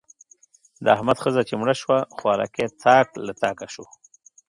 د احمد ښځه چې مړه شوه؛ خوارکی تاک له تاکه شو.